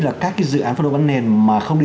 là các cái dự án phân đấu bán nền mà không đi